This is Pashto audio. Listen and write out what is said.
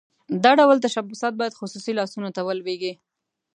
دا ډول تشبثات باید خصوصي لاسونو ته ولویږي.